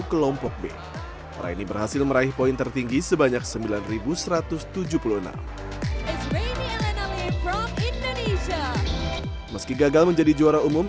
di lompok b raini berhasil meraih poin tertinggi sebanyak sembilan ribu satu ratus tujuh puluh enam meski gagal menjadi juara umum